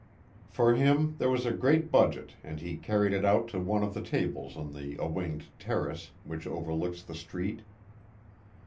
For him there was a great budget and he carried it out to one of the tables on the awninged terrace which overlooks the street.